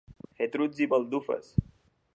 Fer trucs i baldufes.